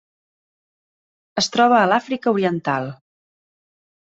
Es troba a l'Àfrica Oriental: